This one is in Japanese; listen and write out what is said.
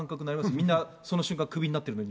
みんなその瞬間、クビになってるのに。